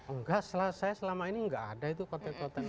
enggak saya selama ini enggak ada itu konten konten